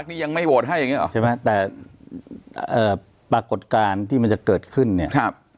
พรรคนี้ยังไม่โหวตให้ใช่ไหมแต่ปรากฏการณ์ที่มันจะเกิดขึ้นเนี่ย